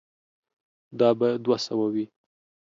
دا به دوه سوه وي.